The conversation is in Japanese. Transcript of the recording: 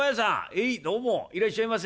「えいどうもいらっしゃいませ」。